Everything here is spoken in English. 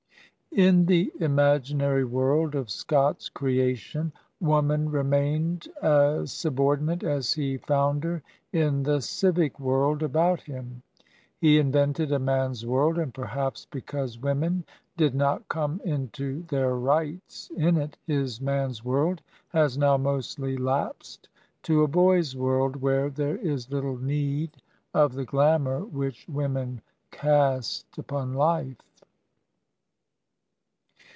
In the imaginary world of Scott's creation, woman remained as subordinate as he found her in the civic world about him. He invented a man's world, and perhaps because women did not come into their rights in it, his man's world has now mostly lapsed to a boy's world, where ther^ is little need of the glamour which women cast upon life.